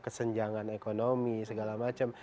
kesenjangan ekonomi segala macam